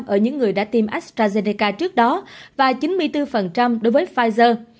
ở những người đã tiêm astrazeneca trước đó và chín mươi bốn đối với pfizer